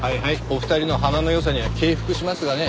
お二人の鼻の良さには敬服しますがね。